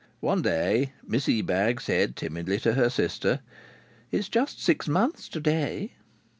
One day Miss Ebag said timidly to her sister: "It's just six months to day."